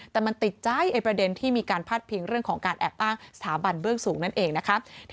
แต่มันติดใจประเด็นที่มีการพาดพิงเรื่องของการแอบอ้างสถาบันเบื้องสูงนั่นเองนะคะ